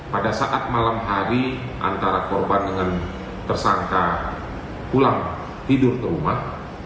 pada saat malam hari antara korban dengan tersangka pulang tidur ke rumah